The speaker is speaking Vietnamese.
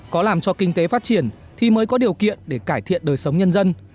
có làm cho kinh tế phát triển thì mới có điều kiện để cải thiện đời sống nhân dân